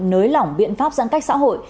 nới lỏng biện pháp giãn cách xã hội